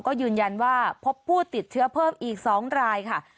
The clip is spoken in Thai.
ก็ยืนยันว่าพบผู้ติดเชื้อเพิ่มอีก๒รายค่ะ